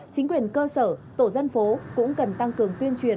chính quyền cơ sở tổ dân phố cũng cần tăng cường tuyên truyền